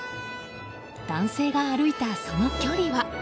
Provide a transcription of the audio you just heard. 男性が歩いたその距離は。